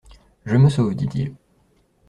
Je me sauve, dit-il.